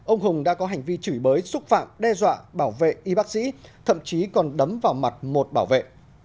ông hùng đã có hành vi chửi bới xúc phạm đe dọa bảo vệ y bác sĩ thậm chí còn đấm vào mặt một bảo vệ